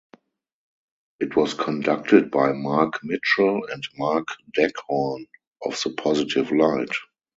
It was conducted by Marc Mitchell and Mark Daghorn of The Positive Light.